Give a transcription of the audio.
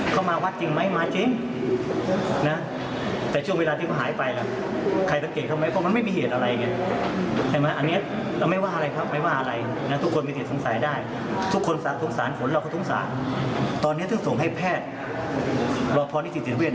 เข้ามาว่าจริงไหมมาจริงนะแต่ช่วงเวลาที่เขาหายไป